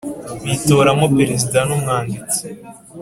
bitoramo perezida n umwanditsi